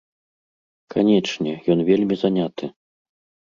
Канечне, ён вельмі заняты.